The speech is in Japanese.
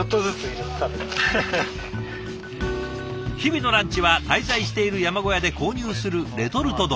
日々のランチは滞在している山小屋で購入するレトルト丼。